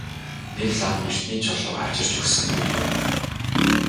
Нэг лам эрдэнийн чулуу авчирч өгсөнгүй юу?